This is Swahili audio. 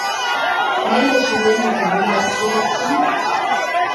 Naenda shuleni kubeba cheti